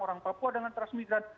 orang papua dengan transmigran